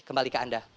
kembali ke anda